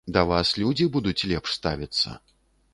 Да вас людзі будуць лепш ставіцца.